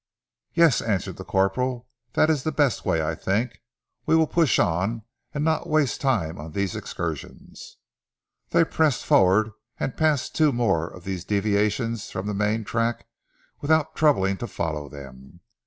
"Yes," answered the corporal, "that is the best way, I think. We will push on and not waste time on these excursions." They pressed forward and passed two more of these deviations from the main track without troubling to follow them.